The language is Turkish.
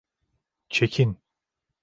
Çekin!